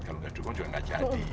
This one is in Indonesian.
kalau tidak didukung juga tidak jadi